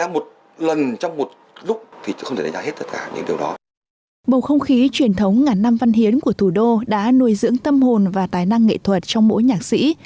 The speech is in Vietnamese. màu không khí truyền thống ngàn năm văn hiến của thủ đô đã nuôi dưỡng tâm hồn và tài năng nghệ thuật trong mỗi nhạc sĩ